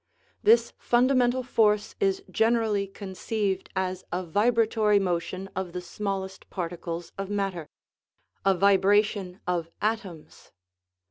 This fundamental force is gen erally conceived as a vibratory motion of the smallest particles of matter a vibration of atoms.